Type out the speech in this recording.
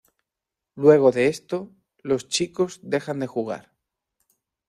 Luego de esto, los chicos dejan de jugar.